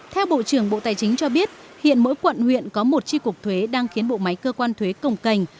theo bộ trưởng bộ tài chính cho biết hiện mỗi quận huyện có một tri cục thuế đang khiến bộ máy cơ quan thuế cồng cành